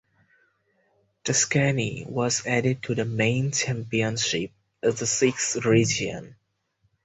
Tuscany was added to the main championship as the sixth region.